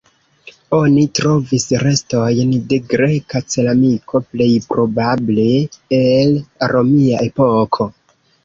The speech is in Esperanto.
Oni trovis restojn de greka ceramiko, plej probable el romia epoko.